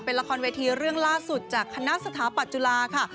เป็นละครเวทีเรื่องล่าสุดจากคณะสถาปัตจุฬาค่ะ